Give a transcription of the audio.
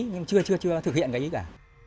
nhưng mà chưa thực hiện cái ý cả